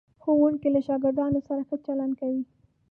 ښوونکی له شاګردانو سره ښه چلند کوي.